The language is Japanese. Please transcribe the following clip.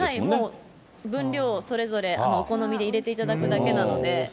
もう、分量それぞれお好みで入れていただくだけなので。